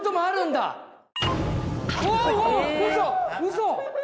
嘘！